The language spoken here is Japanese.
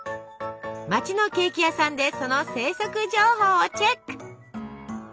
街のケーキ屋さんでその生息情報をチェック！